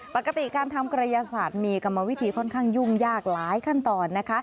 ปกติการทำกระยาศาสตร์มีกรรมวิธีค่อนข้างยุ่งยากหลายขั้นตอนนะคะ